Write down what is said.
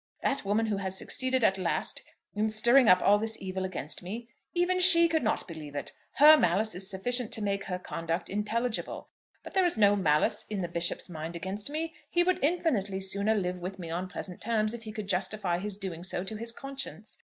That woman who has succeeded at last in stirring up all this evil against me, even she could not believe it. Her malice is sufficient to make her conduct intelligible; but there is no malice in the Bishop's mind against me. He would infinitely sooner live with me on pleasant terms if he could justify his doing so to his conscience.